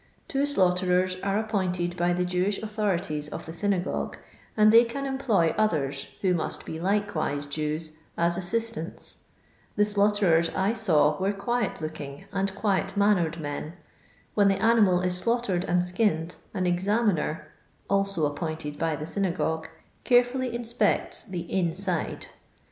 Two slaughterers are appointed by the Jewish autho rities of the synagogue, and they can employ others, who must be likewise Jews, as assistants. The slaughterers I saw were quiet looking and quiet mannered men. When the animal is slaughtered and skinned, an examiner (also ap pointed by the synagogue) carefully inspects the 'inside.'